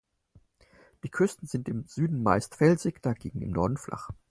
Die Küsten sind im Süden zumeist felsig, dagegen im Norden flach.